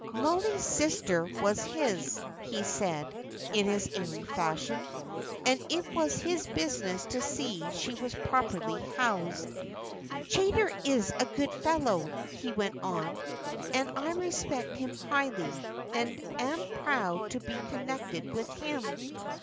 "Mollie's sister was his," he said, in his airy fashion, "and it was his business to see that she was properly housed. "Chaytor is a good fellow," he went on, "and I respect him highly, and am proud to be connected with him.